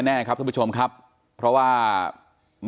นี่แม่นภูกรุนโฮยภูภาภาค่ะอ๋อครับครับแม่กลับลงมากี่โมงครับ